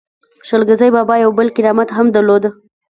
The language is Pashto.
شل ګزی بابا یو بل کرامت هم درلود.